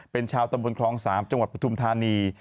เป็นชาวตมครศประทุมธานี